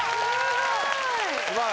すごい！